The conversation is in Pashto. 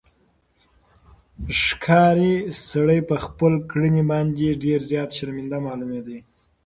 ښکاري سړی په خپلې کړنې باندې ډېر زیات شرمنده معلومېده.